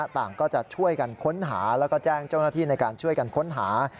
ต่างก็จะช่วยกันค้นหาแล้วก็แจ้งเจ้าหน้าที่ในการช่วยกันค้นหา